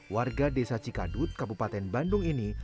warga desa cikadut kabupaten bandung ini